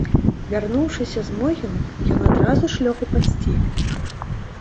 Вярнуўшыся з могілак, ён адразу ж лёг у пасцель.